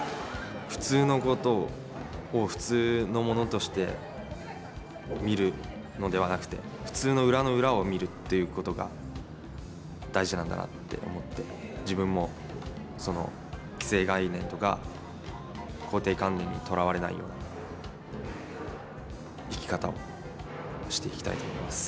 普通のことを普通のものとして見るのではなくて普通の裏の裏を見るっていうことが大事なんだなって思って自分もその既成概念とか固定観念にとらわれないような生き方をしていきたいと思います。